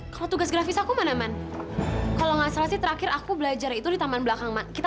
kalau tugas grafis aku mana man kalau nggak salah sih terakhir aku belajar itu di taman belakang man kita